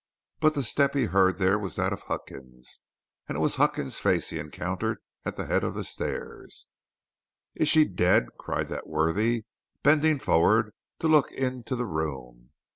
But the step he heard there was that of Huckins, and it was Huckins' face he encountered at the head of the stairs. "Is she dead?" cried that worthy, bending forward to look into the room.